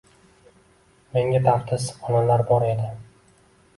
Menga tafti issiq xonalar bor edi.